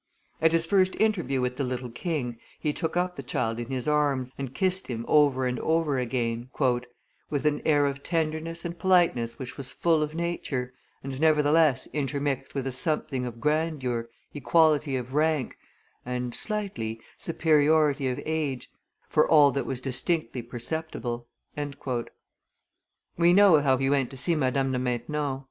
At his first interview with the little king, he took up the child in his arms, and kissed him over and over again, "with an air of tenderness and politeness which was full of nature, and nevertheless intermixed with a something of grandeur, equality of rank, and, slightly, superiority of age; for all that was distinctly perceptible." We know how he went to see Madame de Maintenon.